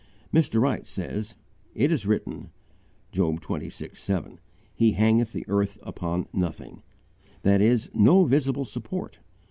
Mr. Wright says: "It is written (Job xxvi. 7): 'He hangeth the earth upon nothing' that is, no visible support.